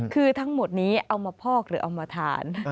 คือทั้งหมดนี้เอามาพอกหรือเอามาทาน